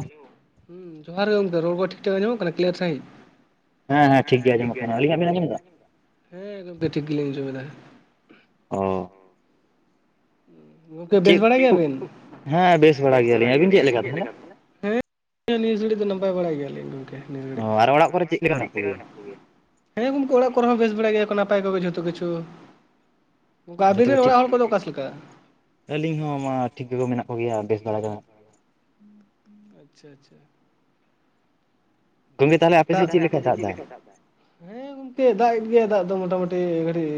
Hello ᱡᱚᱦᱟᱨ ᱜᱮ ᱜᱚᱝᱠᱮ ᱨᱚᱲ ᱠᱚ ᱴᱷᱤᱠ ᱴᱷᱟᱠ ᱟᱡᱚᱢᱚᱜ ᱠᱟᱱᱟ ᱠᱤᱞᱭᱟᱨ ᱥᱟᱹᱦᱤᱡ ᱦᱮᱸ ᱦᱮᱸ ᱴᱷᱤᱠ ᱜᱮ ᱟᱸᱡᱚᱢᱚᱜ ᱠᱟᱱᱟ ᱟᱹᱞᱤᱧᱟᱜ ᱵᱤᱱ ᱟᱡᱚᱢ ᱫᱟ? ᱦᱮᱸ ᱜᱚᱢᱠᱮ ᱴᱷᱤᱠ ᱜᱮᱞᱮᱧ ᱟᱡᱚᱢ ᱮᱫᱟ᱾ ᱚᱸ ᱜᱚᱝᱠᱮ ᱵᱮᱥ ᱵᱟᱲᱟᱭ ᱜᱮᱭᱟ ᱵᱤᱱ ᱦᱮᱸ ᱵᱮᱥ ᱵᱟᱲᱟ ᱜᱮᱭᱟ ᱞᱤᱧ ᱟᱵᱤᱱ ᱜᱮ ᱪᱮᱫ ᱞᱮᱠᱟ? ᱦᱮᱸ [unintelligible] ᱱᱤᱭᱟᱹ ᱜᱷᱟᱹᱲᱤ ᱫᱚ ᱱᱟᱯᱟᱭ ᱵᱟᱲᱟᱭ ᱜᱮᱭᱟ ᱞᱤᱧ ᱜᱚᱝᱠᱮ ᱱᱤᱭᱟᱹ ᱜᱷᱟᱹᱲᱤ ᱫᱚ ᱟᱨ ᱚᱲᱟᱜ ᱠᱚ ᱨᱮ ᱪᱮᱫ ᱞᱮᱠᱟ ᱢᱮᱱᱟᱜ ᱠᱚ [unintelligible] ᱦᱮᱸ ᱜᱚᱢᱠᱮ ᱚᱲᱟᱜ ᱠᱚᱨᱮ ᱦᱚᱸ ᱵᱮᱥ ᱵᱟᱲᱟᱭ ᱜᱮᱭᱟ ᱠᱚ ᱱᱟᱯᱟᱭ ᱛᱮᱜᱮ ᱡᱷᱚᱛᱚ ᱠᱤᱪᱷᱩ᱾ ᱚᱝᱠᱟ ᱟᱵᱤᱱ ᱨᱮᱱ ᱚᱲᱟᱜ ᱦᱚᱲ ᱠᱚ ᱫᱚ ᱚᱠᱟ? ᱟᱹᱞᱤᱧ ᱦᱚᱸ ᱢᱟ ᱴᱷᱤᱠ ᱜᱮ ᱠᱚ ᱢᱮᱱᱟᱜ ᱠᱚᱜᱮᱭᱟ ᱵᱮᱥ ᱵᱟᱲᱟ ᱜᱮ ᱦᱟᱸᱜ ᱟᱪᱪᱷᱟ ᱟᱪᱪᱷᱟ ᱜᱚᱝᱠᱮ ᱛᱟᱦᱚ ᱞᱮ ᱟᱯᱮ ᱥᱮᱫ ᱪᱮᱫ ᱞᱮᱠᱟ ᱫᱟᱜ ᱫᱟᱭ? ᱦᱮᱸᱻ ᱚᱻᱻᱻ ᱜᱚᱝᱠᱮ ᱫᱟᱜ ᱮᱫ ᱜᱮᱭᱟ ᱫᱟᱜ ᱫᱚ ᱢᱚᱴᱟ ᱢᱩᱴᱤ ᱠᱟᱹᱴᱤᱡ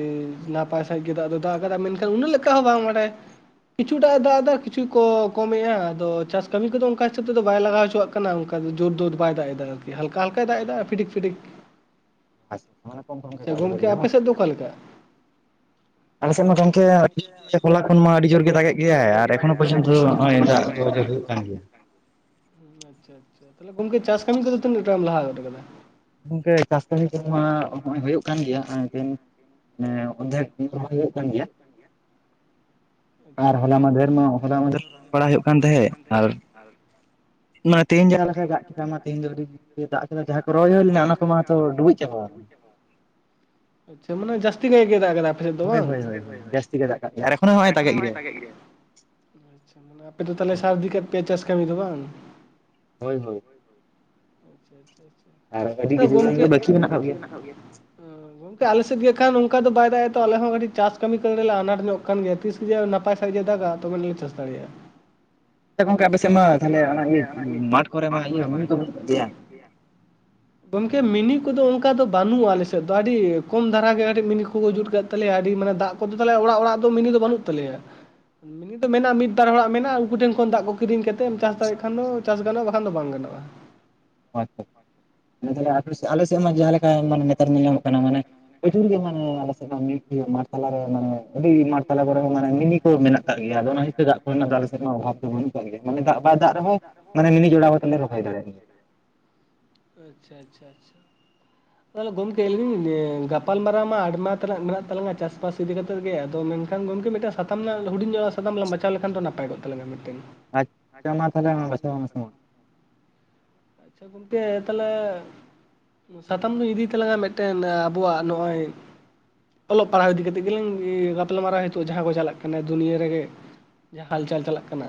ᱱᱟᱯᱟᱭ ᱥᱟᱺᱦᱤᱡ ᱜᱮ ᱫᱟᱜ ᱫᱚ ᱫᱟᱜ ᱟᱠᱟᱫᱟ ᱢᱮᱱᱠᱷᱟᱱ ᱩᱱᱟᱹᱜ [unintelligible] ᱵᱟᱝ ᱵᱟᱰᱟᱭ ᱠᱤᱪᱷᱩ ᱴᱟᱜ ᱫᱟᱜ ᱮᱫᱟ ᱠᱤᱪᱷᱩ ᱠᱚᱢᱮᱫᱼᱟ ᱟᱫᱚ ᱪᱟᱥ ᱠᱟᱹᱢᱤ ᱠᱚᱫᱚ ᱚᱱᱠᱟ ᱦᱤᱥᱟᱹᱵ ᱛᱮᱫ ᱵᱟᱭ ᱞᱟᱜᱟᱣ ᱦᱚᱪᱚᱣ ᱟᱜ ᱠᱟᱱᱟ ᱠᱟᱱᱟ ᱚᱱᱠᱟ ᱡᱳᱨ ᱡᱳᱨ ᱵᱟᱭ ᱫᱟᱜ ᱮᱫᱟ ᱟᱨᱠᱤ ᱦᱟᱞᱠᱟ ᱦᱟᱞᱠᱟ-ᱭ ᱫᱟᱜ ᱮᱫᱟ ᱯᱷᱤᱴᱤᱠ ᱯᱷᱤᱴᱤᱠ [unintelligible] ᱟᱯᱮ ᱥᱮᱫ ᱫᱚ ᱚᱠᱟ ᱞᱮᱠᱟ? [inaudible] ᱟᱞᱮ ᱥᱮᱫ ᱢᱟ ᱜᱚᱢᱠᱮ ᱦᱚᱞᱟ ᱠᱷᱚᱱ ᱢᱟ ᱟᱹᱰᱤ ᱡᱳᱨ ᱜᱮ ᱫᱟᱜ ᱜᱮᱫ ᱜᱮᱭᱟᱭ ᱟᱨ ᱮᱠᱷᱚᱱ ᱚ ᱯᱚᱡᱚᱱ ᱛᱚ ᱱᱚᱜ ᱚᱭ ᱫᱟᱜ ᱫᱚ ᱦᱩᱭᱩᱜ ᱦᱩᱸ ᱟᱪᱪᱷᱟ ᱟᱪᱪᱷᱟ ᱛᱟᱞᱦᱮ ᱜᱚᱝᱠᱮ ᱪᱟᱥ ᱠᱟᱹᱢᱤ ᱠᱚᱫ ᱞᱟᱦᱟ ᱜᱚᱫ ᱠᱟᱫᱟ ᱜᱚᱝᱠᱮ ᱪᱟᱥ ᱠᱟᱹᱢᱤ ᱠᱚᱢᱟ ᱦᱚᱸᱜᱼᱚᱭ ᱦᱩᱭᱩᱜ ᱠᱟᱱ ᱜᱮᱭᱟ ᱫᱤᱱ ᱮᱸᱻ ᱚᱫᱷᱮᱠ [unintelligible] ᱦᱩᱭᱩᱜ ᱠᱟᱱ ᱜᱮᱭᱟ᱾ [inaudible] ᱟᱪᱪᱷᱟ ᱟᱨ ᱦᱚᱞᱟ ᱢᱟᱫᱷᱮᱨ ᱢᱟ ᱦᱚᱞᱟ ᱢᱟᱫᱷᱮᱨ [unintelligible] ᱦᱩᱭᱩᱜ ᱠᱟᱱ ᱛᱟᱦᱮᱸᱫ ᱟᱨ ᱱᱚᱜᱼᱚᱭ ᱛᱮᱦᱮᱧ ᱡᱟᱦᱟᱸ ᱞᱮᱠᱟᱭ ᱫᱟᱜ ᱠᱮᱫᱟ ᱚᱢᱟ ᱛᱮᱦᱮᱧ ᱫᱚ [unintelligible] ᱫᱟᱜ ᱠᱮᱫᱟ ᱡᱟᱦᱟᱸ ᱠᱚ ᱨᱚᱦᱚᱭ ᱦᱩᱭ ᱞᱮᱱᱟ ᱚᱱᱟ ᱠᱚᱢᱟ ᱢᱟᱛᱚ ᱰᱩᱵᱩᱡ ᱪᱟᱵᱟᱣ ᱠᱟᱱᱟ ᱟᱪᱪᱷᱟ ᱢᱟᱱᱮ ᱡᱟᱥᱛᱤ ᱠᱟᱭ ᱜᱮ ᱫᱟᱜ ᱠᱟᱫᱟᱭ ᱟᱯᱮ ᱥᱮᱫ ᱫᱚ ᱵᱟᱝ [unintelligible] ᱟᱪᱷᱟ ᱟᱯᱮ ᱫᱚ ᱛᱟ ᱦᱚᱞᱮ ᱥᱟᱨᱫᱤ ᱠᱟᱜ ᱯᱮᱭᱟ ᱪᱟᱥ ᱠᱟᱹᱢᱤ ᱫᱚ ᱵᱟᱝ ᱦᱳᱭ ᱦᱳᱭ ᱟᱪᱪᱷᱟ ᱟᱪᱪᱷᱟ ᱟᱪᱪᱷᱟ ᱫᱚ ᱜᱚᱝᱠᱮᱜ [unintelligible] ᱟᱞᱮᱥᱮᱫ ᱜᱮ ᱠᱷᱟᱱ ᱚᱝᱠᱟ ᱫᱚ ᱵᱟᱭ ᱫᱟᱜᱮᱜ ᱛᱚ ᱟᱞᱮ ᱦᱚᱸ ᱠᱟᱹᱴᱤᱡ ᱪᱟᱥ ᱠᱟᱹᱢᱤᱮ ᱠᱚᱞᱮ ᱟᱱᱟᱴ ᱧᱚᱜ ᱠᱟᱱ ᱜᱮᱭᱟ ᱛᱤ? ᱤᱭᱟᱹᱜ ᱱᱟᱯᱟᱭ ᱥᱟᱦᱤᱡᱮ ᱫᱟᱜᱟ ᱛᱚᱵᱮᱱᱤᱡ ᱥᱮᱥ ᱫᱟᱲᱮᱭᱟᱜᱼᱟ [unintelligible] ᱜᱚᱝᱠᱮ ᱟᱯᱮᱥᱮᱫ ᱢᱟ ᱛᱟᱦᱞᱮ ᱚᱱᱟ ᱤᱡ ᱤ ᱢᱟᱴᱷ ᱠᱚᱨᱮ ᱢᱟ ᱤᱭᱟᱹ ᱢᱤᱱᱤ ᱠᱚ ᱢᱮᱱᱟᱜ ᱠᱟᱜ ᱜᱮᱭᱟ [unintelligible] ᱜᱚᱝᱠᱮ ᱢᱤᱱᱤ ᱠᱚᱫᱚ ᱚᱝᱠᱟ ᱫᱚ ᱵᱟᱹᱱᱩᱜᱼᱟ ᱟᱞᱮ ᱥᱮᱫ ᱫᱚ ᱟᱹᱰᱤ ᱠᱚᱢ ᱫᱷᱟᱨᱟ ᱜᱮ ᱠᱟᱹᱴᱤᱡ ᱢᱤᱱᱤ ᱠᱚᱠᱚ ᱡᱩᱛ ᱠᱟᱫ ᱛᱟᱞᱮ ᱟᱹᱰᱤ ᱢᱟᱱᱮ ᱫᱟᱜ ᱠᱚᱫᱚ ᱛᱟᱞᱮ ᱚᱲᱟᱜ ᱚᱲᱟᱜ ᱫᱚ ᱢᱤᱱᱤ ᱫᱚ ᱵᱟᱹᱱᱩᱜ ᱛᱟᱞᱮᱭᱟ ᱢᱤᱱᱤᱫ ᱢᱮᱱᱟᱜᱼᱟ ᱢᱤᱫ ᱵᱟᱨ ᱦᱚᱲᱟᱜ ᱢᱮᱱᱟᱜᱼᱟ ᱩᱝᱠᱩ ᱴᱷᱮᱱ ᱠᱷᱚᱱ ᱫᱟᱜ ᱠᱚ ᱠᱤᱨᱤᱧ ᱠᱟᱛᱮ ᱮᱢ ᱪᱟᱥ ᱫᱟᱲᱮᱜ ᱠᱷᱟᱱ ᱫᱚ ᱪᱟᱥ ᱜᱟᱱᱚᱜᱼᱟ ᱵᱟᱠᱷᱟᱱ ᱫᱚ ᱵᱟᱝ ᱜᱟᱱᱚᱜᱼᱟ ᱟᱪᱪᱷᱟ [unintelligible] ᱟᱞᱮ ᱥᱮᱫ ᱢᱟ ᱡᱟᱦᱟ ᱞᱮᱠᱟᱭ ᱢᱟᱱᱮ ᱱᱮᱛᱟᱨ ᱧᱮᱞ ᱧᱟᱢᱚᱜ ᱠᱟᱱᱟ ᱢᱟᱱᱮ ᱯᱚᱪᱩᱨ ᱜᱮ ᱢᱟᱱᱮ ᱟᱞᱮ ᱥᱮᱫ ᱢᱟ ᱢᱟᱴ ᱛᱟᱞᱟᱨᱮ ᱢᱟᱱᱮ ᱟᱹᱰᱤ ᱢᱟᱴᱷ ᱛᱟᱞᱟ ᱠᱚᱨᱮ ᱢᱟᱱᱮ ᱢᱤᱱᱤ ᱠᱚ ᱢᱮᱱᱟᱜ ᱠᱟᱜ ᱜᱮᱭᱟ ᱟᱫᱚ ᱚᱱᱟ ᱦᱤᱛᱮ ᱫᱟᱜ ᱠᱚᱨᱮᱱᱟᱜ ᱫᱚ ᱟᱞᱮ ᱥᱮᱫ ᱨᱮᱱᱟᱜ ᱚᱷᱟᱵ ᱫᱚ ᱵᱟᱹᱱᱩᱜ ᱠᱟᱜ ᱜᱮᱭᱟ ᱡᱟᱱᱮ ᱫᱟᱜ ᱫᱟᱜ ᱵᱟᱭ ᱫᱟᱜ ᱨᱮᱦᱚᱸ ᱢᱟᱱᱮ ᱢᱤᱼᱢᱤᱫ ᱵᱮᱲᱟᱭ [unintelligible] ᱟᱪᱪᱷᱟ ᱟᱪᱪᱷᱟ [unintelligible] ᱛᱟᱦᱞᱮ ᱜᱚᱝᱠᱮ ᱞᱟᱹᱫᱤᱧ ᱜᱟᱯᱟᱞᱢᱟᱨᱟᱣ ᱢᱟ ᱟᱰᱢᱟ ᱛᱮᱱᱟᱜ ᱢᱮᱱᱟᱜ ᱛᱟᱞᱟᱝᱟ ᱪᱟᱥᱵᱟᱥ ᱤᱫᱤ ᱠᱟᱛᱮᱜ ᱜᱮ ᱟᱫᱚ ᱢᱮᱱᱠᱷᱟᱱ ᱜᱚᱝᱠᱮ ᱢᱤᱫᱴᱟᱝ ᱥᱟᱛᱟᱢ ᱱᱟᱜ ᱦᱩᱰᱤᱧ ᱧᱟᱜ ᱥᱟᱛᱟᱢ ᱞᱟᱝ ᱵᱟᱪᱷᱟᱣ ᱞᱮᱠᱷᱟᱱ ᱫᱚ ᱱᱟᱯᱟᱭᱛ ᱠᱚᱜ ᱛᱟᱞᱝᱟ ᱢᱤᱫᱴᱮᱱ᱾ ᱟᱪᱪᱷᱟ ᱢᱟ ᱛᱟᱦᱚᱞᱮ [unintelligible] ᱟᱪᱪᱷᱟ ᱜᱚᱝᱠᱮ ᱛᱟᱞᱮ ᱥᱟᱛᱟᱢ ᱫᱩᱧ ᱤᱫᱤ ᱛᱟᱞᱟᱝ-ᱟ ᱢᱤᱫᱴᱮᱱ ᱟᱵᱚᱣᱟᱜ ᱱᱚᱜᱼᱚᱭ ᱚᱞᱚᱜ ᱯᱟᱲᱦᱟᱣ ᱤᱫᱤ ᱠᱟᱛᱮᱫ ᱜᱤ ᱜᱟᱯᱟᱞ ᱢᱟᱨᱟᱣ ᱦᱤᱛᱚᱜ ᱡᱟᱦᱟ ᱠᱚ ᱪᱟᱞᱟᱜ ᱠᱟᱱᱟ ᱫᱩᱱᱭᱟᱹ ᱨᱮᱜᱮ ᱡᱟ ᱦᱟᱞᱪᱟᱞ ᱪᱟᱞᱟᱜ ᱠᱟᱱᱟ᱾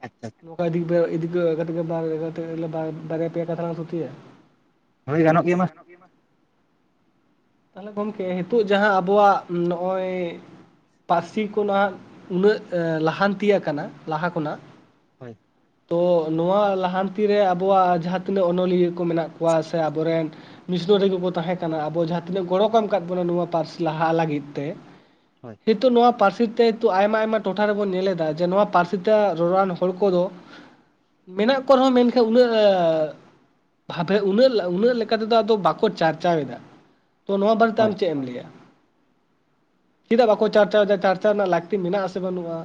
ᱟᱪᱪᱷᱟ [unintelligible] ᱵᱟᱨᱭᱟ ᱯᱮᱭᱟ ᱠᱟᱛᱷᱟ ᱞᱟᱝ ᱛᱷᱩᱛᱤᱭᱟ ᱦᱳᱭ ᱜᱟᱱᱚᱜ ᱜᱮᱭᱟ ᱢᱟ᱾ [unintelligible] ᱛᱟᱦᱚᱞᱮ ᱜᱚᱝᱠᱮ ᱦᱤᱛᱚᱜ ᱡᱟᱦᱟ ᱟᱵᱚᱣᱟᱜ ᱱᱚᱜᱼᱚᱭ ᱯᱟᱹᱨᱥᱤ ᱠᱷᱚᱱᱟᱜ ᱩᱱᱟᱹᱜ ᱞᱟᱦᱟᱱᱛᱤᱭ ᱠᱟᱱᱟ ᱞᱟᱦᱟ ᱠᱷᱚᱱᱟᱜ ᱦᱳᱭ ᱛᱚ ᱱᱚᱣᱟ ᱞᱟᱦᱟᱱᱛᱤᱨᱮ ᱟᱵᱚᱣᱟᱜ ᱡᱟᱦᱟ ᱛᱤᱱᱟᱹᱜ ᱚᱱᱚᱞᱤᱭᱟᱹ ᱠᱚ ᱢᱮᱱᱟᱜ ᱠᱚᱣᱟ ᱥᱮ ᱟᱵᱚᱨᱮᱱ ᱢᱤᱥᱱᱚᱨᱤ ᱠᱚ ᱠᱚ ᱛᱟᱦᱮᱸ ᱠᱟᱱᱟ ᱟᱵᱚ ᱡᱟᱦᱟ ᱛᱤᱱᱟᱹᱜ ᱜᱚᱲᱚ ᱠᱚ ᱮᱢ ᱠᱟᱜ ᱵᱚᱱᱟ ᱱᱩᱣᱟ ᱯᱟᱹᱨᱥᱤ ᱞᱟᱦᱟᱜ ᱞᱟᱹᱜᱤᱫ ᱛᱮ ᱦᱤᱛᱚᱜ ᱱᱚᱣᱟ ᱯᱟᱹᱨᱥᱤ ᱛᱮ ᱦᱤᱛᱚᱜ ᱟᱭᱢᱟ ᱟᱭᱢᱟ ᱴᱚᱴᱷᱟ ᱨᱮᱵᱚᱱ ᱧᱮᱞ ᱮᱫᱟ, ᱡᱮ ᱱᱚᱣᱟ ᱯᱟᱹᱨᱥᱤ ᱛᱮ ᱨᱚᱨᱟᱱ ᱦᱚᱲ ᱠᱚᱫᱚ ᱢᱮᱱᱟᱜ ᱠᱚ ᱨᱮᱦᱚᱸ ᱢᱮᱱᱠᱷᱟᱜ ᱩᱱᱟᱹᱜ ᱵᱷᱟᱵᱮ ᱩᱱᱟᱹᱜ ᱩᱱᱟᱹᱜ ᱞᱮᱠᱟ ᱛᱮᱫᱚ ᱟᱫᱚ ᱵᱟᱠᱚ ᱪᱟᱨᱪᱟᱣᱮᱫᱟ ᱛᱚ ᱱᱚᱣᱟ ᱵᱟᱨᱮᱛᱮ ᱟᱢ ᱪᱮᱜ ᱮᱢ ᱞᱟᱹᱭᱟ ᱪᱮᱫᱟᱜ ᱵᱟᱠᱚ ᱪᱟᱨᱪᱟᱣᱮᱫᱟ, ᱪᱟᱨᱪᱟᱣ ᱨᱮᱱᱟᱜ ᱞᱟᱠᱛᱤ ᱢᱮᱱᱟᱜ ᱟᱥᱮ ᱵᱟᱹᱱᱩᱜᱼᱟ᱾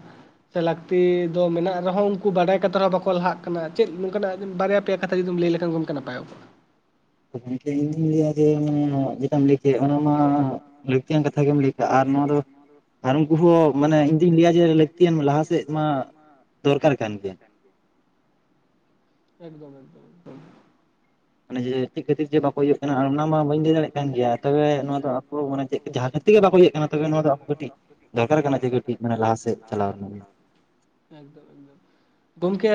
ᱥᱮ ᱞᱟᱠᱛᱤ ᱫᱚ ᱢᱮᱱᱟᱜ ᱨᱮᱦᱚᱸ ᱩᱱᱠᱩ ᱵᱟᱰᱟᱭ ᱠᱟᱛᱮ ᱨᱮᱦᱚᱸ ᱵᱟᱠᱚ ᱞᱟᱦᱟᱜ ᱠᱟᱱᱟ ᱪᱮᱫ ᱱᱚᱝᱠᱟᱱᱟᱜ ᱵᱟᱨᱭᱟ ᱯᱮ ᱠᱟᱛᱟ ᱡᱩᱫᱤ ᱞᱟᱹᱭ ᱞᱮᱠᱷᱟᱱ ᱜᱚᱝᱠᱮ ᱱᱟᱯᱟᱭᱚᱜᱼᱟ᱾ ᱜᱚᱝᱠᱮ ᱤᱧ ᱫᱩᱧ ᱞᱟᱹᱭᱟ ᱡᱮ ᱚᱱᱮ ᱡᱮᱴᱟ ᱞᱟᱹᱭ ᱠᱮᱜᱼᱟ ᱚᱱᱟᱢᱟ ᱞᱟᱹᱠᱛᱤᱭᱟᱱ ᱠᱟᱛᱷᱟ ᱜᱮᱢ ᱞᱟᱹᱭ ᱠᱟᱜᱼᱟ ᱟᱨ ᱱᱚᱣᱟ ᱫᱚ ᱟᱨ ᱩᱱᱠᱩ ᱦᱚᱸ ᱢᱟᱱᱮ ᱤᱧ ᱫᱩᱧ ᱞᱟᱹᱭᱟ ᱡᱮ ᱞᱟᱹᱠᱛᱤᱭᱟᱱ ᱞᱟᱦᱟ ᱥᱮᱫ ᱢᱟ ᱫᱚᱨᱠᱟᱨ ᱠᱟᱱ ᱜᱮ᱾ ᱮᱠᱫᱚᱢ ᱮᱠᱫᱚᱢ ᱮᱠᱫᱚᱢ ᱢᱟᱱᱮ ᱡᱮ ᱪᱮᱫ ᱠᱷᱟᱹᱛᱤᱨ ᱡᱮ ᱵᱟᱠᱚ ᱤᱭᱟᱹᱜ ᱠᱟᱱᱟ ᱟᱨ ᱚᱱᱟ ᱢᱟ ᱵᱟᱹᱧ ᱞᱟᱹᱭ ᱫᱟᱲᱮᱭᱟᱜ ᱠᱟᱱ ᱜᱮᱭᱟ ᱛᱚᱵᱮ ᱱᱚᱣᱟ ᱫᱚ ᱟᱠᱚ ᱢᱟᱱᱮ ᱪᱮᱫ ᱡᱟᱦᱟᱸ ᱛᱮᱜᱮ ᱵᱟᱠᱚ ᱞᱤᱭᱟᱹᱜ ᱠᱟᱱᱟ ᱛᱚᱵᱮ ᱱᱚᱣᱟ ᱫᱚ ᱠᱟᱹᱴᱤᱡ ᱫᱚᱨᱠᱟᱨ ᱠᱟᱱᱟ ᱡᱮ ᱠᱟᱹᱴᱤᱡ ᱢᱟᱱᱮ ᱞᱟᱦᱟ ᱥᱮᱫ ᱪᱟᱞᱟᱣ ᱨᱮᱱᱟᱜ ᱜᱮ᱾ ᱮᱠᱫᱚᱢ ᱮᱠᱫᱚᱢ᱾ ᱜᱚᱢᱠᱮ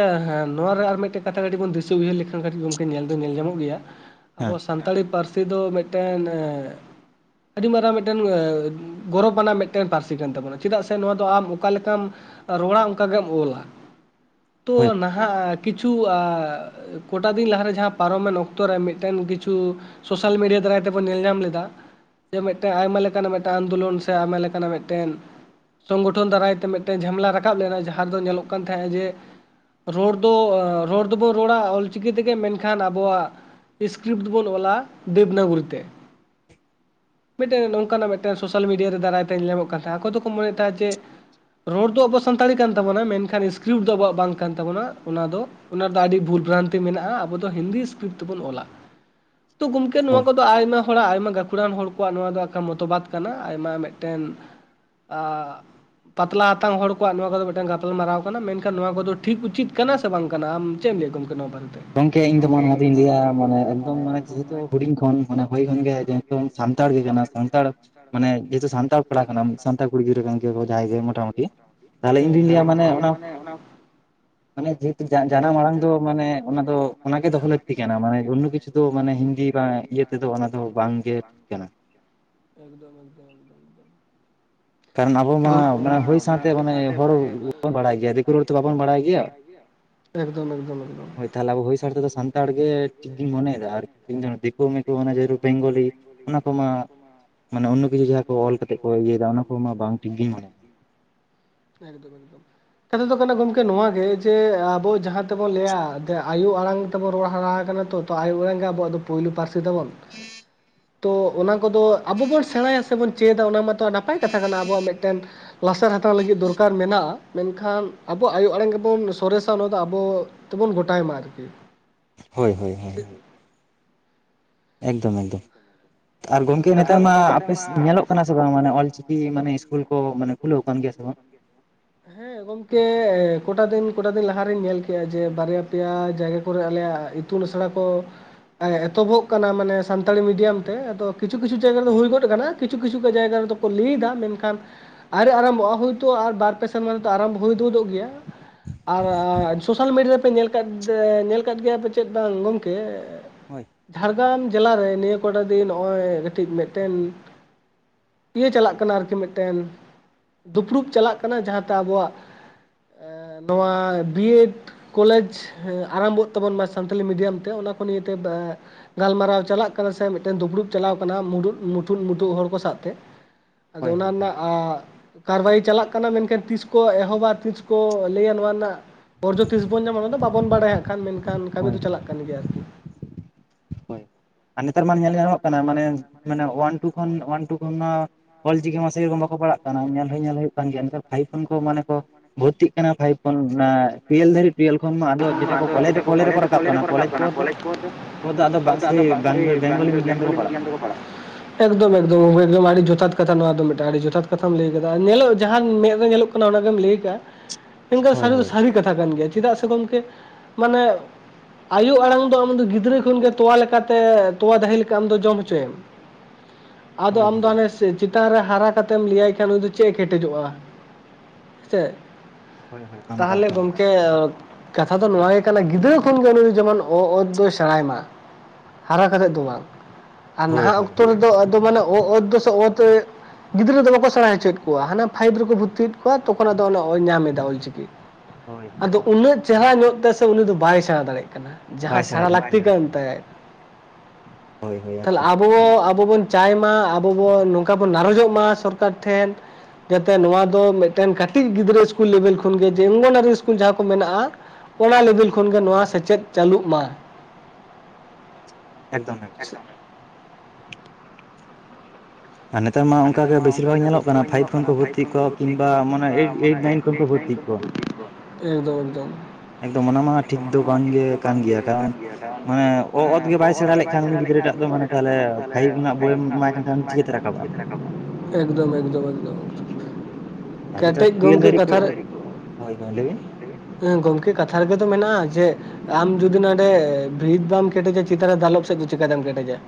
ᱱᱚᱣᱟ ᱨᱮ ᱟᱨ ᱢᱤᱫᱴᱮᱱ ᱠᱟᱛᱷᱟ ᱠᱟᱹᱴᱤᱡ ᱵᱚᱱ ᱫᱤᱥᱟᱹ ᱩᱭᱦᱟᱹᱨ ᱞᱮᱠᱷᱟᱱ ᱠᱟᱹᱴᱤᱡ ᱜᱚᱢᱠᱮ ᱧᱮᱞ ᱫᱚ ᱧᱮᱞ ᱧᱟᱢᱚᱜ ᱜᱮᱭᱟ᱾ ᱟᱵᱚ ᱥᱟᱱᱛᱟᱲᱤ ᱯᱟᱹᱨᱥᱤ ᱫᱚ ᱢᱤᱫᱴᱮᱱ ᱟᱹᱰᱤ ᱢᱟᱨᱟᱝ ᱢᱤᱫᱴᱮᱱ ᱜᱚᱨᱚᱵ ᱟᱱᱟᱜ ᱢᱤᱫᱴᱮᱱ ᱯᱟᱹᱨᱥᱤ ᱠᱟᱱ ᱛᱟᱵᱚᱱᱟ ᱪᱮᱫᱟᱜ ᱥᱮ ᱱᱚᱣᱟ ᱫᱚ ᱟᱢ ᱚᱠᱟ ᱞᱮᱠᱟᱢ ᱨᱚᱲᱟ ᱚᱱᱠᱟ ᱜᱮᱢ ᱚᱞᱟ᱾ ᱛᱚ ᱱᱟᱦᱟᱜ ᱠᱤᱪᱷᱩ ᱠᱚᱴᱟ ᱫᱤᱱ ᱞᱟᱦᱟᱨᱮ ᱡᱟᱦᱟᱸ ᱯᱟᱨᱚᱢᱮᱱ ᱚᱠᱛᱚ ᱨᱮ ᱢᱤᱫᱴᱮᱱ ᱠᱤᱪᱷᱩ ᱥᱳᱥᱟᱞ ᱢᱤᱰᱭᱟ ᱫᱟᱨᱟᱭ ᱛᱮᱵᱚᱱ ᱧᱮᱞ ᱧᱟᱢ ᱞᱮᱫᱟ ᱡᱮ ᱢᱤᱫᱴᱟ ᱟᱭᱢᱟ ᱞᱮᱠᱟᱱᱟᱜ ᱢᱤᱫᱴᱮᱱ ᱟᱱᱫᱳᱞᱚᱱ ᱥᱮ ᱟᱭᱢᱟ ᱞᱮᱠᱟᱱᱟᱜ ᱢᱤᱫᱴᱮᱱ ᱥᱚᱝᱜᱚᱴᱷᱚᱱ ᱫᱟᱨᱟᱭ ᱛᱮ ᱢᱤᱫᱴᱮ ᱡᱷᱟᱢᱞᱟ ᱨᱟᱠᱟᱵ ᱞᱮᱱᱟ᱾ᱡᱟᱦᱟ ᱫᱚ ᱧᱮᱞᱚᱜ ᱠᱟᱱ ᱛᱟᱦᱮᱸᱜᱼᱟ ᱡᱮ ᱨᱚᱲ ᱫᱚ ᱨᱚᱲ ᱫᱚᱵᱚᱱ ᱨᱚᱲᱟ ᱚᱞᱪᱤᱠᱤ ᱛᱮᱜᱮ ᱢᱮᱱᱠᱷᱟᱱ ᱟᱵᱚᱣᱟᱜ ᱤᱥᱠᱨᱤᱯᱴ ᱵᱚᱱ ᱚᱞᱟ ᱫᱮᱵᱽᱱᱟᱜᱚᱨᱤ ᱛᱮ ᱢᱤᱫᱴᱮᱱ ᱱᱚᱝᱠᱟᱱᱟᱜ ᱢᱤᱫᱴᱮᱱ ᱥᱳᱥᱟᱞ ᱢᱤᱰᱤᱭᱟ ᱨᱮ ᱫᱟᱨᱟᱭ ᱛᱮ ᱧᱮᱞᱣᱟᱢᱚᱜ ᱠᱟᱱ ᱛᱟᱦᱮᱸᱫ ᱟᱠᱚ ᱫᱚᱠᱚ ᱢᱚᱱᱮᱭᱮᱫ ᱛᱟᱦᱮᱸᱫ ᱡᱮ ᱨᱚᱲ ᱫᱚ ᱟᱵᱚ ᱥᱟᱱᱛᱟᱲᱤ ᱠᱟᱱ ᱛᱟᱵᱚᱱᱟ ᱢᱮᱱᱠᱷᱟᱱ ᱤᱥᱠᱨᱤᱯᱴ ᱫᱚ ᱟᱵᱚᱣᱟᱜ ᱵᱟᱝ ᱠᱟᱱ ᱛᱟᱵᱚᱱᱟ ᱚᱱᱟ ᱫᱚ ᱚᱱᱟᱨᱮᱫᱚ ᱟᱹᱰᱤ ᱵᱷᱩᱞᱵᱷᱨᱟᱱᱛᱤ ᱢᱮᱱᱟᱜᱼᱟ ᱾ᱟᱵᱚ ᱫᱚ ᱦᱤᱱᱫᱤ ᱤᱥᱠᱨᱤᱯᱴ ᱛᱮᱵᱚᱱ ᱚᱞᱟ ᱛᱚ ᱜᱚᱢᱠᱮ ᱱᱚᱣᱟ ᱠᱚᱫᱚ ᱟᱭᱢᱟ ᱛᱷᱚᱲᱟ ᱟᱭᱢᱟ ᱜᱟᱹᱠᱷᱲᱟᱱ ᱦᱚᱲ ᱠᱚᱣᱟᱜ ᱱᱚᱣᱟ ᱫᱚ ᱢᱚᱛᱚᱵᱫ ᱠᱟᱱᱟ᱾ᱟᱭᱢᱟ ᱢᱮᱫᱴᱮᱱ ᱯᱟᱛᱞᱟ ᱦᱟᱛᱟᱝ ᱦᱚᱲ ᱠᱚᱣᱟᱜ ᱱᱚᱣᱟ ᱠᱚᱫᱚ ᱢᱤᱫᱴᱟᱝ ᱜᱟᱯᱟᱞᱢ ᱢᱟᱨᱟᱣ ᱠᱟᱱᱟ ᱢᱮᱱᱠᱷᱟᱱ ᱱᱚᱣᱟ ᱠᱚᱫᱚ ᱴᱷᱤᱠ ᱩᱪᱤᱛ ᱠᱟᱱᱟ ᱥᱮ ᱵᱟᱝ ᱠᱟᱱᱟ ᱟᱢ ᱪᱮᱜ ᱮᱢ ᱞᱟᱹᱭ [unintelligible] ᱜᱚᱢᱠᱮ ᱤᱧ ᱫᱚ ᱱᱚᱣᱟ ᱫᱚᱧ ᱞᱟᱹᱭᱟ ᱢᱟᱱᱮ ᱮᱵᱚᱝ ᱢᱟᱱᱮ ᱡᱮᱦᱮᱛᱩ ᱦᱩᱰᱤᱧ ᱠᱷᱚᱱ ᱢᱟᱱᱮ ᱦᱳᱭ ᱠᱷᱚᱱ ᱜᱮ ᱥᱟᱱᱛᱟᱲ ᱜᱮ ᱠᱟᱱᱟ ᱥᱟᱱᱛᱟᱲ ᱢᱟᱱᱮ ᱡᱮᱦᱮᱛᱩ ᱥᱟᱱᱛᱟᱲ ᱠᱚᱲᱟ ᱠᱟᱱᱟᱢ, ᱥᱟᱱᱟᱲ ᱠᱩᱲᱤ ᱜᱤᱫᱽᱨᱟᱹ ᱠᱟᱱ ᱜᱮ ᱡᱟᱦᱟᱸᱭ ᱜᱮ ᱢᱚᱴᱟᱢᱩᱴᱤ ᱟᱹᱞᱤᱧ ᱞᱤᱧ ᱞᱟᱹᱭᱟ ᱢᱟᱱᱮ ᱚᱱᱟ ᱢᱟᱱᱮ ᱡᱮᱦᱮᱛᱩ ᱡᱟᱱᱟᱢ ᱢᱟᱲᱟᱝ ᱫᱚ ᱢᱟᱱᱮ ᱚᱱᱟ ᱫᱚ ᱚᱱᱟ ᱜᱮ ᱫᱚᱦᱚ ᱞᱟᱹᱠᱛᱤ ᱠᱟᱱᱟ᱾ ᱢᱟᱱᱮ ᱚᱱᱱᱚ ᱠᱤᱪᱷᱩ ᱫᱚ ᱢᱟᱱᱮ ᱦᱤᱱᱫᱤ ᱵᱟᱝ ᱤᱭᱟᱹ ᱛᱮᱫᱚ ᱚᱱᱟ ᱫᱚ ᱵᱟᱝᱜᱮ ᱴᱷᱤᱠ ᱠᱟᱱᱟ᱾ ᱮᱠᱫᱚᱢ ᱮᱠᱫᱚᱢ ᱮᱠᱫᱚᱢ ᱮᱠᱫᱚᱢ᱾ ᱠᱟᱨᱚᱱ ᱟᱵᱚ ᱢᱟ ᱚᱱᱟ ᱦᱩᱭ ᱥᱟᱶᱛᱮ ᱢᱟᱱᱮ ᱦᱚᱲ ᱨᱚᱲ ᱵᱚᱱᱵᱟᱲᱟᱭ ᱜᱮᱭᱟ ᱫᱤᱠᱩ ᱨᱚᱲ ᱛᱚ ᱵᱟᱵᱚᱱ ᱵᱟᱲᱟᱭ ᱜᱮᱭᱟ᱾ ᱮᱠᱫᱚᱢ ᱮᱠᱫᱚᱢ ᱮᱠᱫᱚᱢ᱾ ᱦᱳᱭ ᱛᱟᱦᱞᱮ ᱟᱵᱳ ᱦᱩᱭ ᱥᱟᱨᱛᱮ ᱫᱚ ᱥᱟᱱᱛᱟᱲ ᱜᱮ ᱴᱷᱤᱠ ᱜᱤᱞᱤᱧ ᱢᱚᱱᱭᱮᱫᱟ ᱟᱨ ᱤᱧ ᱫᱚ ᱫᱤᱠᱩ ᱢᱤᱠᱩ ᱚᱱᱟ ᱡᱮᱦᱩᱛᱩ ᱵᱮᱝᱜᱚᱞᱤ ᱚᱱᱟ ᱠᱚᱢᱟ ᱢᱟᱱᱮ ᱚᱱᱱᱚ ᱠᱤᱪᱷᱩ ᱡᱟᱦᱟᱸ ᱠᱚ ᱚᱞ ᱠᱟᱛᱮ ᱠᱚ ᱤᱭᱟᱹᱭ ᱫᱟ ᱚᱱᱟ ᱠᱚ ᱢᱟ ᱵᱟᱝ ᱴᱷᱤᱠ ᱜᱤᱧ ᱵᱟᱲᱟᱭᱟ᱾ ᱮᱠᱫᱚᱢ ᱮᱠᱫᱚᱢ᱾ ᱠᱟᱛᱷᱟ ᱫᱚ ᱠᱟᱱᱟ ᱜᱚᱢᱠᱮ ᱱᱚᱣᱟ ᱜᱮ ᱡᱮ ᱟᱵᱚ ᱡᱟᱦᱟᱸ ᱛᱮᱵᱚᱱ ᱞᱟᱹᱭᱟ ᱟᱭᱳ ᱟᱲᱟᱝ ᱛᱮᱵᱚ ᱨᱚᱲ ᱦᱟᱨᱟ ᱟᱠᱟᱱᱟ ᱛᱚ, ᱛᱚ ᱟᱭᱳ ᱟᱲᱟᱝ ᱜᱮ ᱟᱵᱣᱟᱜ ᱫᱚ ᱯᱳᱭᱞᱳ ᱯᱟᱹᱨᱥᱤ ᱛᱟᱵᱚᱱ᱾ ᱛᱚ ᱚᱱᱟ ᱠᱚᱫᱚ ᱟᱵᱚ ᱵᱚᱱ ᱥᱮᱬᱟᱭᱟ ᱥᱮᱵᱚᱱ ᱪᱮᱫᱟ ᱚᱱᱟ ᱢᱟᱛᱚ ᱱᱟᱯᱟᱭ ᱠᱟᱛᱷᱟ ᱠᱟᱱᱟ, ᱟᱵᱚᱣᱟᱜ ᱢᱮᱫᱴᱮᱱ ᱚᱣᱟᱥᱟᱨ ᱦᱟᱛᱟᱣ ᱞᱟᱹᱜᱤᱫ ᱫᱚᱨᱠᱟᱨ ᱢᱮᱱᱟᱜᱼᱟ ᱢᱮᱱᱠᱷᱟᱱ ᱟᱵᱚ ᱟᱭᱳ ᱟᱲᱟᱝ ᱜᱮᱵᱚᱱ ᱥᱚᱨᱮᱥᱟ ᱱᱚᱣᱟ ᱫᱚ ᱟᱵᱚ ᱛᱮᱵᱚᱱ ᱜᱚᱴᱟᱭ ᱢᱟ ᱟᱨᱠᱤ᱾ ᱦᱳᱭ ᱦᱳᱭ ᱦᱳᱭ᱾ ᱮᱠᱫᱚᱢ ᱮᱠᱫᱚᱢ᱾ ᱟᱨ ᱜᱚᱝᱠᱮ ᱱᱮᱛᱟᱨ ᱢᱟ ᱟᱯᱮ ᱧᱮᱞᱚᱜ ᱠᱟᱱᱟ ᱥᱮ ᱵᱟᱝ ᱢᱟᱱᱮ ᱚᱞᱪᱤᱠᱤ ᱢᱟᱱᱮ ᱤᱥᱠᱩᱞ ᱠᱚ ᱢᱟᱱᱮ ᱠᱷᱩᱞᱟᱹᱣ ᱠᱟᱱ ᱜᱮᱭᱟ ᱥᱮ ᱵᱟᱝ? ᱦᱮᱸ ᱜᱚᱝᱠᱮ ᱠᱚᱴᱟ ᱫᱤᱱ ᱠᱚᱴᱟ ᱫᱤᱱ ᱞᱟᱦᱟᱨᱮᱤᱧ ᱧᱮᱞ ᱠᱮᱫᱼᱟ ᱡᱮ ᱵᱟᱨᱭᱟ ᱯᱮᱭᱟ ᱡᱟᱭᱜᱟ ᱠᱚᱨᱮ ᱟᱞᱮᱭᱟᱜ ᱤᱛᱩᱱ ᱟᱥᱲᱟ ᱠᱚ ᱮᱛᱚᱦᱚᱵᱚᱜ ᱠᱟᱱᱟ ᱢᱟᱱᱮ ᱥᱟᱱᱛᱟᱲᱤ ᱢᱤᱰᱤᱭᱟᱢ ᱛᱮ, ᱟᱫᱚ ᱠᱤᱪᱷᱩ ᱠᱤᱪᱷᱩ ᱡᱟᱭᱜᱟ ᱨᱮ ᱫᱚ ᱦᱩᱭ ᱜᱚᱫᱚᱜ ᱠᱟᱱᱟ ᱠᱤᱪᱷᱩ ᱠᱤᱪᱷᱩ ᱡᱟᱭᱜᱟ ᱨᱮᱫᱚᱠᱚ ᱞᱟᱹᱭᱫᱟ, ᱢᱮᱱᱠᱷᱟᱱ ᱟᱣᱨᱤ ᱟᱨᱟᱢᱵᱷᱚᱜᱼᱟ ᱦᱩᱭᱛᱚ ᱟᱨ ᱵᱟᱨ ᱯᱮ ᱥᱮᱨᱢᱟ ᱛᱮᱫᱚ ᱟᱨᱟᱢᱵᱚ ᱦᱩᱭ ᱜᱚᱫᱚᱜ ᱜᱮᱭᱟ, ᱟᱨ ᱥᱳᱥᱟᱞ ᱢᱤᱰᱤᱭᱟ ᱨᱮᱯᱮ ᱧᱮᱞ ᱠᱟᱫ ᱜᱮᱭᱟᱯᱮ ᱪᱮᱫ ᱵᱟᱝ ᱜᱚᱢᱠᱮ, ᱦᱳᱭ᱾ ᱡᱷᱟᱲᱜᱨᱟᱢ ᱡᱮᱞᱟᱨᱮ ᱱᱤᱭᱟᱹ ᱠᱚᱴᱟ ᱫᱤᱱ ᱱᱚᱜᱼᱚᱭ ᱠᱟᱹᱴᱤᱡ ᱢᱤᱫᱴᱮᱱ ᱤᱭᱟᱹ ᱪᱟᱞᱟᱜ ᱠᱟᱱᱟ ᱟᱨᱠᱤ ᱢᱤᱫᱴᱮᱱ, ᱫᱩᱯᱲᱩᱵ ᱪᱟᱞᱟᱜ ᱠᱟᱱᱟ ᱡᱟᱦᱟᱸᱛᱮ ᱟᱵᱚᱣᱟᱜ ᱱᱚᱣᱟ ᱵᱤᱭᱮᱰ ᱠᱚᱞᱮᱡᱽ ᱟᱨᱟᱢᱵᱷᱚᱜ ᱛᱟᱵᱚᱱ ᱢᱟ ᱥᱟᱱᱛᱟᱞᱤ ᱢᱤᱰᱤᱭᱟᱢ ᱛᱮ ᱚᱱᱟ ᱠᱚ ᱱᱤᱭᱮᱛᱮ ᱜᱟᱞᱢᱟᱨᱟᱣ ᱪᱟᱞᱟᱜ ᱠᱟᱱᱟ ᱥᱮ ᱢᱤᱫᱴᱮᱱ ᱫᱩᱯᱲᱩᱵ ᱪᱟᱞᱟᱣ ᱠᱟᱱᱟ ᱢᱩᱰᱩ ᱢᱩᱴᱷᱩᱱ ᱢᱩᱴᱷᱩᱜ ᱦᱚᱲ ᱠᱚ ᱥᱟᱶᱛᱮ ᱟᱫᱚ ᱚᱱᱟ ᱨᱮᱱᱟᱜ ᱟ ᱠᱟᱨᱵᱟᱭ ᱪᱟᱞᱟᱜ ᱠᱟᱱᱟ ᱢᱮᱱᱠᱷᱟᱱ ᱛᱤᱥ ᱠᱚ ᱮᱦᱚᱵᱟ ᱛᱤᱥ ᱠᱚ ᱞᱟᱹᱭᱟ ᱱᱚᱣᱟ ᱨᱮᱱᱟᱜ ᱚᱨᱡᱚ ᱛᱤᱥ ᱵᱚᱱ ᱧᱟᱢᱟ ᱚᱱᱟ ᱫᱚ ᱵᱟᱵᱚᱱ ᱵᱟᱲᱟᱭᱟᱜ ᱠᱷᱟᱱ ᱢᱮᱱᱠᱷᱟᱱ ᱠᱟᱹᱢᱤ ᱫᱚ ᱪᱟᱞᱟᱜ ᱠᱟᱱ ᱜᱮᱭᱟ ‌ᱟᱨᱠᱤ᱾ ᱟᱨ ᱱᱮᱛᱟᱨ ᱢᱟ ᱧᱮᱞ ᱧᱟᱢᱚᱜ ᱠᱟᱱᱟ ᱢᱟᱱᱮ ᱳᱣᱟᱱ ᱴᱩ ᱠᱷᱚᱱ ᱳᱣᱟᱱ ᱴᱩ ᱠᱷᱚᱱᱟᱜ ᱚᱞ ᱪᱤᱠᱤ ᱢᱟ ᱥᱮᱨᱚᱠᱚᱢ ᱵᱟᱠᱚ ᱯᱟᱲᱦᱟᱜ ᱠᱟᱱᱟ ᱧᱮᱞ ᱦᱚᱸ ᱧᱮᱞ ᱦᱩᱭᱩᱜ ᱠᱟᱱ ᱜᱮᱭᱟ ᱱᱮᱛᱟᱨ ᱯᱷᱟᱭᱤᱵ ᱠᱷᱚᱱ ᱠᱚ ᱢᱟᱱᱮ ᱠᱚ ᱵᱷᱚᱨᱛᱤᱜ ᱠᱟᱱᱟ ᱯᱷᱟᱭᱤᱵ ᱚᱱᱟ ᱴᱩᱭᱮᱞ ᱫᱷᱟᱹᱨᱤᱡ ᱴᱩᱭᱮᱞ ᱠᱷᱚᱱ ᱢᱟ ᱟᱫᱚ ᱡᱮᱴᱟ ᱠᱚᱞᱮ ᱠᱚᱞᱮᱡᱽ ᱨᱮᱠᱚ ᱨᱟᱠᱟᱵ ᱠᱟᱱᱟ ᱠᱚᱞᱮᱡᱽ ᱯᱚᱨ ᱫᱚ ᱯᱚᱨ ᱫᱚ ᱟᱫᱚ ᱟᱫᱚ ᱵᱟᱥ [unintelligible] ᱵᱮᱝᱜᱚᱞᱤ ᱢᱤᱰᱤᱭᱟᱱ ᱛᱮᱠᱚ ᱯᱟᱲᱟᱜᱼᱟ᱾ ᱮᱠᱫᱚᱢ ᱮᱠᱫᱚᱢ ᱟᱹᱰᱤ ᱡᱚᱛᱷᱟᱛ ᱠᱟᱛᱷᱟ ᱱᱚᱣᱟ ᱫᱚ ᱢᱤᱫᱴᱟ ᱡᱚᱛᱷᱟᱛ ᱠᱟᱛᱷᱟᱢ ᱞᱟᱹᱭ ᱠᱮᱫᱟ ᱧᱮᱞ ᱡᱟᱦᱟ ᱢᱮᱫ ᱨᱮ ᱧᱮᱞᱚᱜ ᱚᱱᱟ ᱚᱱᱟ ᱫᱚᱢ ᱞᱟᱹᱭ ᱠᱟ ᱤᱱᱠᱟ ᱥᱟᱹᱨᱤ ᱥᱟᱹᱨᱤ ᱠᱟᱛᱷᱟ ᱠᱟᱱ ᱜᱮᱭᱟ ᱪᱮᱫᱟᱜ ᱥᱮ ᱜᱚᱝᱠᱮ ᱢᱟᱱᱮ ᱟᱭᱳ ᱟᱲᱟᱝ ᱫᱚ ᱟᱢ ᱜᱤᱫᱽᱨᱟᱹ ᱠᱷᱚᱱᱜᱮ ᱛᱚᱣᱟ ᱞᱮᱠᱟᱛᱮ ᱛᱳᱣᱟ ᱫᱟᱦᱮ ᱞᱮᱠᱟ ᱡᱚᱢ ᱦᱚᱪᱚᱭᱮᱢ᱾ ᱟᱫᱚ ᱟᱢ ᱫᱚ ᱦᱟᱱᱮ ᱪᱮᱛᱟᱱ ᱨᱮ ᱦᱟᱨᱟ ᱠᱟᱛᱮᱢ ᱞᱟᱹᱭᱟᱭ ᱠᱷᱟᱱ ᱩᱱᱤ ᱫᱚ ᱪᱮᱫ ᱮ ᱠᱮᱴᱮᱡᱚᱜᱼᱟ, ᱦᱮᱸᱥᱮ? ᱛᱟᱦᱚᱞᱮ ᱜᱚᱢ ᱠᱮ ᱠᱟᱛᱷᱟ ᱫᱚ ᱱᱚᱣᱟ ᱜᱮ ᱠᱟᱱᱟ ᱜᱤᱫᱽᱨᱟᱹ ᱠᱷᱚᱱᱜᱮ ᱩᱱᱤ ᱫᱚ ᱡᱮᱢᱚᱱ ᱚᱼᱚᱛ ᱫᱚᱭ ᱥᱮᱬᱟᱭ ᱢᱟ᱾ ᱦᱟᱨᱟ ᱠᱟᱛᱮᱫ ᱫᱚ ᱵᱟᱝ ᱟᱨ ᱱᱟᱦᱟᱜ ᱚᱠᱛᱚ ᱨᱮᱫᱚ ᱟᱫᱚ ᱢᱟᱱᱮ ᱚ, ᱛ ᱫᱚ ᱥᱮ ᱚᱛ ᱜᱤᱫᱽᱨᱟᱹ ᱫᱚ ᱵᱟᱠᱚ ᱥᱮᱬᱟ ᱦᱚᱪᱚᱭᱮᱫ ᱠᱚᱣᱟ ᱦᱟᱱᱟ ᱯᱷᱟᱭᱤᱵᱽ ᱨᱮᱠᱚ ᱵᱷᱚᱨᱛᱤᱮᱫ ᱠᱚᱣᱟ ᱛᱚᱠᱷᱚᱱ ᱟᱫᱚ ᱚᱱᱟ ᱧᱟᱢᱞᱮᱫᱟ ᱚᱞ ᱪᱤᱠᱤ᱾ ᱟᱫᱚ ᱩᱱᱟᱹᱜ ᱪᱮᱦᱨᱟ ᱧᱚᱜ ᱛᱮᱥᱮ ᱩᱱᱤ ᱫᱚ ᱵᱟᱭ ᱥᱮᱬᱟ ᱫᱟᱲᱮᱭᱟᱜ ᱠᱟᱱᱟ᱾ ᱡᱟᱦᱟᱸ ᱥᱮᱬᱟ ᱞᱟᱹᱠᱛᱤ ᱠᱟᱱ ᱛᱟᱭᱟ, ᱛᱟᱦᱚᱞᱮ ᱟᱵᱚ ᱟᱵᱚ ᱵᱚᱱ ᱪᱟᱭ ᱢᱟ ᱟᱵᱚ ᱵᱚᱱ ᱱᱚᱝᱠᱟ ᱵᱚᱱ ᱱᱟᱨᱚᱡᱚᱜ ᱢᱟ ᱥᱚᱨᱠᱟᱨ ᱴᱷᱮᱱ᱾ ᱡᱟᱛᱮ ᱱᱚᱣᱟ ᱫᱚ ᱢᱤᱫᱴᱮᱱ ᱠᱟᱹᱴᱤᱡ ᱜᱤᱫᱽᱨᱟᱹ ᱤᱥᱠᱩᱞ ᱞᱮᱵᱮᱞ ᱠᱷᱚᱱ ᱠᱷᱚᱱ ᱜᱮ ᱡᱮ ᱚᱝᱜᱚᱱᱟᱨᱤ ᱤᱥᱠᱩᱞ ᱡᱟᱦᱟᱸ ᱠᱚ ᱢᱮᱱᱟᱜᱼᱟ ᱚᱱᱟ ᱞᱮᱵᱮᱞ ᱠᱷᱚᱱᱜᱮ ᱱᱚᱣᱟ ᱥᱮᱪᱮᱫ ᱪᱟᱹᱞᱩᱜ ᱢᱟ᱾ ᱮᱠᱫᱚᱢ ᱮᱠᱫᱚᱢ ᱟᱨ ᱱᱮᱛᱟᱨ ᱢᱟ ᱚᱱᱠᱟ ᱜᱮ ᱵᱮᱥᱤᱨ ᱵᱷᱟᱜᱽ ᱧᱮᱞᱚᱜ ᱠᱟᱱᱟ᱾ ᱯᱷᱟᱭᱤᱵᱽ ᱠᱷᱚᱱ ᱠᱚ ᱵᱷᱚᱨᱛᱤᱜ ᱠᱚ ᱠᱤᱢᱵᱟ ᱢᱟᱱᱮ ᱮᱭᱤ ᱮᱭᱤᱴ ᱱᱟᱭᱤᱱ ᱠᱷᱚᱱ ᱠᱚ ᱵᱷᱚᱨᱛᱤᱜ ᱮᱠᱫᱚᱢ ᱮᱠᱫᱚᱢ᱾ ᱮᱠᱫᱚᱢ ᱚᱱᱟ ᱢᱟ ᱴᱷᱤᱠ ᱫᱚ ᱵᱟᱝ ᱜᱮ ᱠᱟᱱ ᱜᱮᱭᱟ ᱠᱟᱨᱚᱱ ᱢᱟᱱᱮ ᱚ, ᱛ ᱜᱮ ᱵᱟᱭ ᱥᱮᱬᱟ ᱞᱮᱠᱷᱟᱱ ᱩᱱᱤ ᱜᱤᱫᱽᱨᱟᱹ ᱴᱟᱜ ᱫᱚ ᱢᱟᱱᱮ ᱛᱟᱦᱚᱞᱮ ᱯᱷᱟᱭᱤᱵᱽ ᱨᱮᱱᱟᱜ ᱵᱚᱭᱮᱢ ᱮᱢᱟᱭ ᱠᱟᱱ ᱠᱷᱟᱱ ᱩᱱᱤᱫᱚ ᱪᱤᱠᱟᱹ ᱛᱮ ᱨᱟᱠᱟᱵᱚ ᱮᱠᱫᱚᱢ ᱮᱠᱫᱚᱢ ᱮᱠᱫᱚᱢᱫ᱾ ᱟᱨ ᱡᱮᱴᱟ ᱴᱩᱭᱮᱵ ᱫᱷᱟᱹᱨᱤᱡ ᱠᱚ ᱦᱳᱭ ᱦᱳᱭ ᱞᱟᱹᱭ ᱵᱤᱱ ᱦᱮᱸ ᱜᱚᱢᱠᱮ ᱠᱟᱛᱷᱟ ᱨᱮᱜᱮ ᱫᱚ ᱢᱮᱱᱟᱜᱼᱟ ᱡᱮ ᱟᱢ ᱡᱩᱫᱤ ᱱᱚᱰᱮ ᱵᱷᱤᱛ ᱵᱟᱢ ᱠᱮᱴᱮᱡᱟ ᱪᱮᱛᱟᱱ ᱨᱮ ᱫᱟᱞᱚᱵ ᱥᱮᱫ ᱪᱤᱠᱟᱹᱛᱮᱢ ᱠᱮᱴᱮᱡᱟ᱾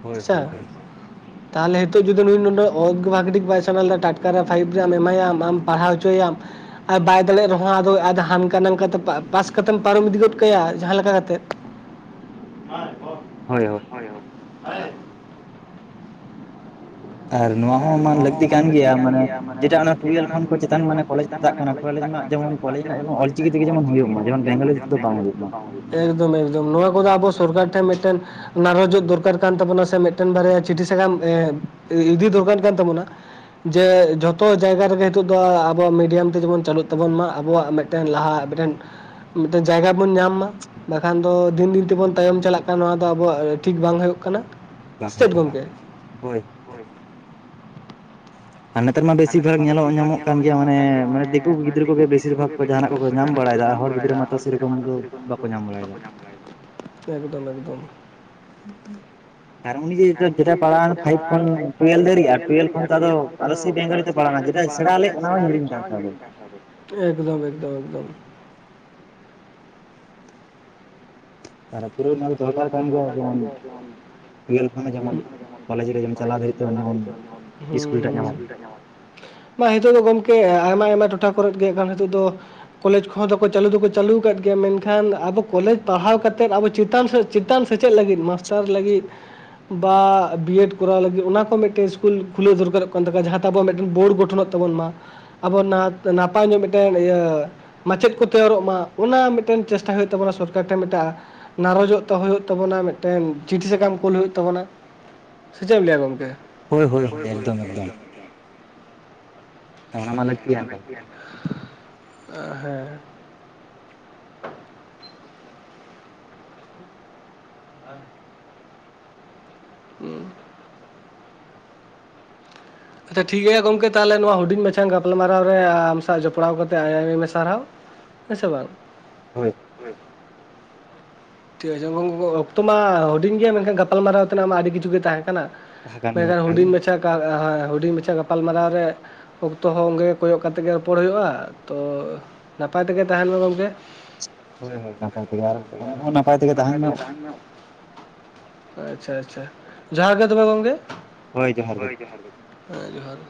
ᱦᱳᱭ ᱦᱳᱭ ᱦᱳᱭ ᱛᱟᱦᱚᱞᱮ ᱡᱫᱤ ᱱᱩᱭ ᱱᱚᱰᱮ ᱜ ᱵᱟᱜᱮᱴᱤᱜ ᱵᱟᱭ ᱥᱮᱬᱟ ᱞᱮᱫᱟ ᱴᱟᱴᱠᱟ ᱨᱮ ᱯᱷᱟᱭᱤᱵᱽ ᱮᱢᱟᱭᱟᱢ, ᱟᱢ ᱯᱟᱲᱦᱟᱣ ᱦᱚᱪᱚᱭᱟᱢ ᱟᱨ ᱵᱟᱭ ᱫᱟᱲᱮᱭᱟᱜ ᱨᱮᱦᱚᱸ, ᱟᱫᱚ ᱦᱟᱱᱠᱟ ᱱᱟᱝᱠᱟ ᱛᱮ ᱯᱟᱥ ᱠᱟᱛᱮᱢ ᱯᱟᱨᱚᱢ ᱤᱫᱤ ᱜᱚᱫ ᱠᱟᱭᱟ, ᱡᱟᱦᱟᱸ ᱞᱮᱠᱟ ᱠᱟᱛᱮᱜ᱾ ᱦᱟᱭ ᱚ ᱦᱳᱭ ᱦᱳᱭ ᱦᱳᱭ ᱦᱳᱭ ᱟᱨ ᱱᱚᱣᱟ ᱦᱚᱸ ᱞᱟᱹᱠᱛᱤ ᱠᱟᱱ ᱜᱮᱭᱟ ᱢᱟᱱᱮ ᱡᱮᱴᱟ ᱚᱱᱟ ᱴᱩᱭᱮᱞᱵᱷ ᱠᱷᱚᱱ ᱪᱮᱛᱟᱱ ᱢᱟᱱᱮ ᱠᱚᱞᱮᱡᱽ ᱪᱮᱛᱟᱱ ᱢᱟᱱᱮ ᱠᱚᱞᱮᱡᱽ ᱪᱮᱛᱟ ᱠᱟᱱᱟ ᱠᱚᱞᱮᱡᱽ ᱢᱟ ᱡᱮᱢᱚᱱ ᱠᱚᱞᱮᱡᱽ ᱨᱮᱱᱟᱜ ᱡᱮᱢᱚᱱ ᱚᱞᱪᱤᱠᱤ ᱛᱮᱜᱮ ᱡᱮᱢᱚᱱ ᱦᱩᱭᱩᱜ ᱢᱟ ᱡᱮᱢᱚᱱ ᱵᱮᱝᱜᱟᱞᱩ ᱠᱚ ᱵᱟᱝ ᱦᱩᱭᱩᱜ ᱮᱠᱫᱚᱢ ᱮᱠᱫᱚᱢ᱾ ᱱᱚᱣᱟ ᱠᱚᱫᱚ ᱟᱵᱚ ᱥᱚᱨᱠᱟᱨ ᱴᱷᱮᱱ ᱢᱤᱫᱴᱮᱱ ᱱᱟᱨᱚᱡᱚᱜ ᱫᱚᱨᱠᱟᱨ ᱠᱟᱱ ᱛᱟᱵᱚᱱᱟ ᱥᱮ ᱢᱤᱫᱴᱟᱝ ᱵᱟᱨᱭᱟ ᱪᱤᱴᱷᱤ ᱥᱟᱠᱟᱢ ᱤᱫᱤ ᱫᱚᱨᱠᱟᱨ ᱠᱟᱱ ᱛᱟᱵᱚᱱᱟ᱾ ᱡᱮ ᱡᱷᱚᱛᱚ ᱡᱟᱭᱜᱟ ᱨᱮᱜᱮ ᱱᱤᱛᱚᱜ ᱫᱚ ᱟᱵᱚᱣᱟᱜ ᱢᱤᱰᱤᱭᱟᱢ ᱛᱮ ᱡᱮᱢᱚᱱ ᱪᱟᱹᱞᱩᱜ ᱛᱟᱵᱚᱱ ᱢᱟ ᱟᱵᱚᱣᱟᱜ ᱢᱤᱫ ᱢᱤᱫᱴᱮᱱ ᱞᱟᱦᱟ ᱢᱤᱫᱴᱮᱱ ᱢᱤᱫᱴᱮᱱ ᱡᱟᱭᱜᱟ ᱵᱚᱱ ᱧᱟᱢ ᱢᱟ᱾ ᱵᱟᱠᱷᱟᱱ ᱫᱚ ᱫᱤᱱ ᱫᱤᱱ ᱛᱮᱵᱚᱱ ᱛᱟᱭᱚᱢ ᱪᱟᱞᱟᱜ ᱠᱟᱱᱟ ᱱᱚᱣᱟ ᱫᱚ ᱟᱵᱚᱣᱟᱜ ᱴᱷᱤᱠ ᱵᱟᱝ ᱦᱩᱭᱩᱜ ᱠᱟᱱᱟ᱾ ᱵᱟᱝ ᱦᱩᱭᱩᱜ ᱠᱟᱱᱟ᱾ ᱦᱳᱭ ᱟᱨ ᱱᱮᱛᱟᱨ ᱢᱟ ᱵᱮᱥᱤᱨ ᱵᱷᱟᱜᱽ ᱧᱮᱞᱚᱜ ᱧᱟᱢᱚᱜ ᱠᱟᱱ ᱜᱮᱭᱟ ᱢᱟᱱᱮ ᱢᱟᱱᱮ ᱫᱤᱠᱩ ᱜᱤᱫᱽᱟᱹ ᱠᱚᱜᱮ ᱵᱮᱥᱤᱨ ᱵᱷᱟᱜ ᱠᱚ ᱡᱟᱦᱟᱱᱟᱜ ᱠᱚ ᱡᱟᱦᱟᱸᱱᱟᱜ ᱠᱚᱠᱚ ᱧᱟᱢ ᱵᱟᱲᱟᱭᱮᱫᱟ ᱦᱚᱲ ᱜᱤᱫᱽᱨᱟᱹ ᱢᱟᱛᱚ ᱥᱮᱨᱚᱠᱚᱢ ᱫᱚ ᱵᱟᱠᱚ ᱧᱟᱢ ᱵᱟᱲᱟᱭᱟ ᱮᱠᱫᱚᱢ ᱮᱠᱫᱚᱢ᱾ ᱟᱨ ᱩᱱᱤ ᱡᱮ ᱡᱮᱴᱟ ᱯᱟᱲᱦᱟᱣ ᱱᱟᱭ ᱯᱷᱟᱭᱤᱵ ᱠᱷᱚᱱ ᱴᱩᱭᱩᱞᱵᱷ ᱫᱷᱟᱨᱤᱪ, ᱴᱩᱭᱩᱞᱵᱷ ᱠᱷᱚᱱ ᱟᱫᱚ ᱥᱮ ᱟᱞᱮ ᱵᱮᱝᱜᱚᱞᱤ ᱯᱟᱲᱦᱟᱣ ᱪᱮᱫᱟᱜ ᱥᱮᱲᱟᱞᱮᱫ ᱚᱱᱟᱦᱩᱧ ᱦᱤᱲᱤᱧ ᱫᱟ, ᱮᱠᱫᱚᱢ ᱮᱠᱫᱚᱢ ᱮᱠᱫᱚᱢ ᱛᱟᱨᱟ ᱯᱩᱨᱟᱹ ᱫᱚᱨᱠᱟᱨ ᱠᱟᱱ ᱜᱮᱭᱟ ᱡᱮᱢᱚᱱ [inaudible] ᱦᱩᱸ ᱵᱟ ᱱᱤᱛᱚᱜ ᱫᱚ ᱜᱚᱢᱠᱮ ᱟᱭᱢᱟ ᱟᱭᱢᱟ ᱴᱚᱴᱷᱟ ᱠᱚᱨᱮ ᱜᱮ ᱠᱷᱟᱱ ᱱᱤᱛᱚᱜ ᱫᱚ ᱠᱚᱞᱮᱡᱽ ᱠᱚᱦᱚᱸ ᱫᱚ ᱪᱟᱹᱞᱩ ᱫᱚᱠᱚ ᱪᱟᱹᱞᱩ ᱟᱠᱟᱫ ᱜᱮᱭᱟ, ᱢᱮᱱᱠᱷᱟᱱ ᱟᱵᱚ ᱠᱚᱞᱮᱡᱽ ᱯᱟᱲᱦᱟᱣ ᱠᱟᱛᱮ ᱟᱵᱚ ᱪᱮᱛᱟᱱ ᱥᱮ ᱪᱮᱛᱟᱱ ᱥᱮᱪᱮᱫ ᱞᱟᱹᱜᱤᱫ ᱢᱟᱥᱴᱟᱨ ᱞᱟᱹᱜᱤᱫ ᱵᱟ ᱵᱤᱭᱮᱰ ᱠᱚᱨᱟᱣ ᱞᱟᱹᱜᱤᱫ ᱚᱱᱟ ᱠᱚ ᱢᱤᱫᱴᱮᱱ ᱤᱥᱠᱩᱞ ᱠᱷᱩᱞᱟᱹᱣ ᱫᱚᱨᱠᱟᱨᱚᱜ ᱠᱟᱱ ᱛᱟᱠᱚᱣᱟ᱾ᱡᱟᱦᱟᱸ ᱟᱵᱚᱣᱟᱜ ᱢᱤᱫᱴᱮᱱ ᱵᱳᱨᱰ ᱜᱚᱴᱷᱚᱱᱚᱜ ᱛᱟᱵᱚᱱ ᱢᱟ ᱟᱵᱚ ᱱᱟᱯᱟᱭ ᱧᱚᱜ ᱢᱤᱫᱴᱮᱱ ᱤᱭᱟᱹ ᱢᱟᱪᱮᱫ ᱠᱚ ᱛᱮᱭᱟᱨᱚᱜ ᱢᱟ᱾ᱚᱱᱟ ᱢᱤᱫᱴᱮᱱ ᱪᱮᱥᱴᱟ ᱦᱩᱭᱩᱜ ᱛᱟᱵᱚᱱᱟ, ᱥᱚᱨᱠᱟᱨ ᱴᱷᱮᱱ ᱢᱤᱫᱴᱟᱝ ᱱᱟᱨᱚᱡᱚᱜ ᱛᱮ ᱦᱩᱭᱩᱜ ᱛᱟᱵᱚᱱᱟ᱾ ᱢᱤᱫᱴᱮᱱ ᱪᱤᱴᱷᱤ ᱥᱟᱠᱟᱢ ᱠᱳᱩᱞ ᱦᱩᱭᱩᱜ ᱛᱟᱵᱚᱱᱟ᱾ ᱥᱮ ᱪᱮᱫ ᱮᱢ ᱞᱟᱹᱭᱟ ᱜᱚᱢᱠᱮ? ᱦᱳᱭ ᱦᱳᱭ ᱦᱳᱭ ᱮᱠᱫᱚᱢ ᱮᱠᱫᱚᱢ ᱚᱱᱟ ᱢᱟ ᱞᱟ [unintelligible] ᱦᱮᱸ [inaudible] ᱦᱮᱸ ᱟᱪᱪᱷᱟ ᱴᱷᱤᱠ ᱜᱮᱭᱟ ᱜᱚᱝᱠᱮ ᱛᱟᱦᱚᱞᱮ ᱱᱚᱣᱟ ᱦᱩᱰᱤᱧ ᱢᱟᱪᱷᱟ ᱜᱟᱯᱟᱞᱢᱟᱨᱟᱣ ᱨᱮ ᱟᱢ ᱥᱟᱶ ᱡᱚᱯᱲᱟᱣ ᱠᱟᱛᱮ, ᱟᱭᱢᱟ ᱥᱟᱨᱦᱟᱣ᱾ ᱦᱮᱸ ᱥᱮ ᱵᱟᱝ ᱦᱳᱭ ᱴᱷᱤᱠ ᱟᱪᱷᱮ ᱜᱚᱝᱠᱮ ᱚᱠᱛᱚ ᱢᱟ ᱦᱩᱰᱤᱧ ᱜᱮᱭᱟ᱾ᱢᱮᱱᱠᱷᱟᱱ ᱜᱟᱯᱟᱞᱢᱟᱨᱟᱣ ᱛᱮᱱᱟᱜ ᱢᱟ ᱟᱹᱰᱤ ᱠᱤᱪᱷᱩ ᱜᱮ ᱛᱟᱦᱮᱸ ᱠᱟᱱᱟ᱾ [unintelligible] ᱦᱩᱰᱤᱧ ᱢᱟᱪᱷᱟ [inaudible] ᱦᱩᱰᱤᱧ ᱢᱟᱪᱷᱟ ᱜᱟᱯᱟᱞᱢᱟᱨᱟᱣ ᱨᱮ ᱚᱠᱛᱚ ᱦᱚᱸ ᱚᱸᱮ ᱠᱚᱭᱚᱜ ᱠᱟᱛᱮᱜ ᱜᱮ ᱨᱚᱯᱚᱲ ᱦᱩᱭᱩᱜᱼᱟ ᱛᱚ ᱱᱟᱯᱟᱭ ᱛᱮᱜᱮ ᱛᱟᱦᱮᱱ ᱢᱟ ᱜᱚᱝᱠᱮ᱾ ᱦᱳᱭ ᱦᱳᱭ ᱱᱟᱯᱟᱭ ᱛᱮᱜᱮ ᱟᱨ ᱟᱢ ᱦᱚᱸ ᱱᱟᱯᱟᱭ ᱛᱮᱜᱮ ᱛᱟᱦᱮᱱ ᱢᱮ ᱟᱪᱪᱷᱟ ᱟᱪᱪᱷᱟ ᱡᱚᱦᱟᱨ ᱜᱮ ᱛᱚᱵᱮ ᱜᱚᱝᱠᱮ ᱦᱮᱸ ᱡᱚᱦᱟᱨ ᱜᱮ